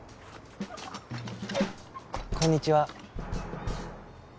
こんにちは。